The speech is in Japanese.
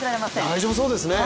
大丈夫そうですね。